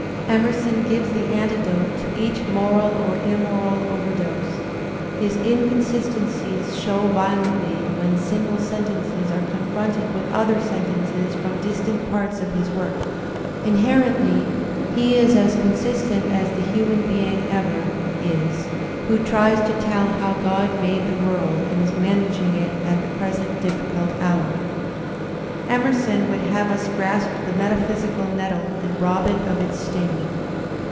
Emerson gives the antidote to each moral or immoral over dose; his inconsistencies show violently when single sentences are confronted with other sentences from distant parts of his / work. Inherently he is as consistent as the human being j ever is who tries tp tell how Grod made the world and is ) managing it at the present difficult hour. Emerson would have us grasp the metaphysical nettle and rob it of its sting.